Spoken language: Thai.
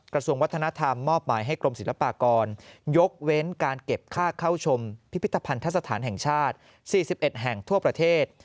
กระทรวงวัฒนธรรมมอบหมายให้กรมศิลปากรยกเว้นการเก็บค่าเข้าชมพิพิธภัณฑสถานแห่งชาติ๔๑แห่งทั่วประเทศ